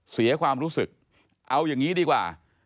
เสียความรู้สึกเอาอย่างนี้ดีกว่า